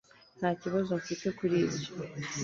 nta kibazo mfite kuri ibyo